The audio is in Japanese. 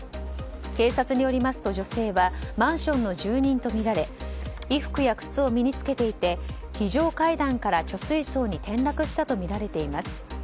警察によりますと女性はマンションの住人とみられ衣服や靴を身に着けていて非常階段から貯水槽に転落したとみられています。